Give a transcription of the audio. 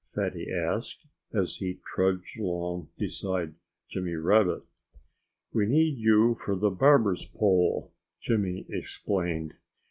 Fatty asked, as he trudged along beside Jimmy Rabbit. "We need you for the barber's pole," Jimmy explained.